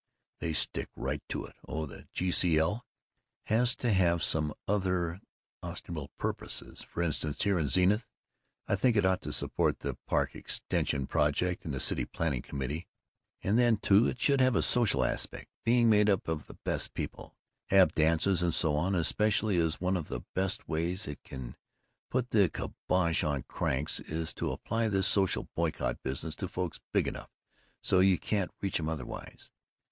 they stick right to it. Oh, the G. C. L. has to have some other ostensible purposes frinstance here in Zenith I think it ought to support the park extension project and the City Planning Committee and then, too, it should have a social aspect, being made up of the best people have dances and so on, especially as one of the best ways it can put the kibosh on cranks is to apply this social boycott business to folks big enough so you can't reach 'em otherwise.